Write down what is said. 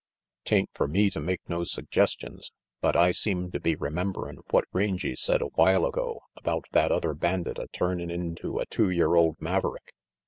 'Tain't fer me to make no suggestions, but I seem to be rememberin' what Rangy said a while ago about that other bandit a turnin' into a two year old maverick.